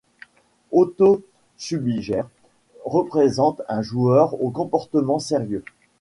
Otto Schubiger représente un joueur au comportement sérieux.